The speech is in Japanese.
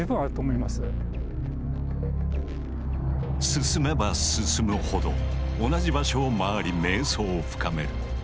進めば進むほど同じ場所を回り迷走を深める。